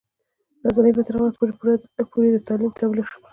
رسنۍ به تر هغه وخته پورې د تعلیم تبلیغ کوي.